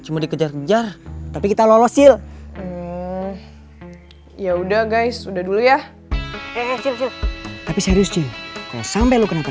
cuma dikejar kejar tapi kita lolos cil ya udah guys udah dulu ya tapi serius sampai lu kenapa